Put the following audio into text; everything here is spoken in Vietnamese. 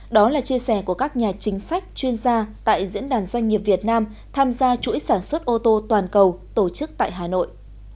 đó là chia sẻ của các nhà chính sách chuyên gia tại diễn đàn doanh nghiệp việt nam tham gia chuỗi sản xuất ô tô toàn cầu tổ chức tại hà nội